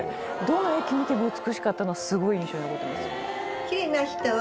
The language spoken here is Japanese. どの駅見ても美しかったのはすごい印象に残ってます。